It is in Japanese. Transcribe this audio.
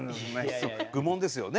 愚問ですよね？